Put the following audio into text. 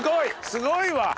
すごいわ！